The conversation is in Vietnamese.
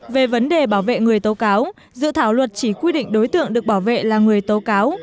về vấn đề bảo vệ người tố cáo dự thảo luật chỉ quy định đối tượng được bảo vệ là người tố cáo